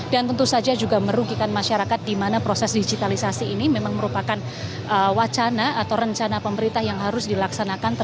dan tentu saja juga merugikan masyarakat di mana proses digitalisasi ini memang merupakan wacana atau rencana pemerintah yang harus dilaksanakan